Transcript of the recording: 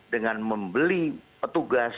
dengan membeli petugas